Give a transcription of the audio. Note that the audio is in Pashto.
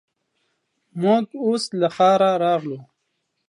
موږ اوس له ښاره راغلو.